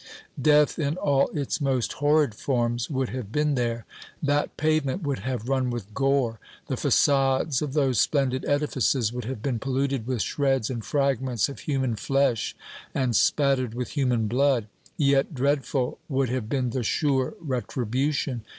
Death in all its most horrid forms would have been there. That pavement would have run with gore! The façades of those splendid edifices would have been polluted with shreds and fragments of human flesh, and spattered with human blood. Yet dreadful would have been the sure retribution!